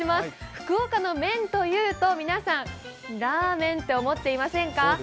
福岡の麺というと、皆さん、ラーメンと思っていませんか？